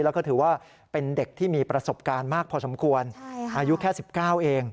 แล้วก็ถือว่าเป็นเด็กที่มีประสบการณ์มากพอสมควรอายุแค่๑๙เอง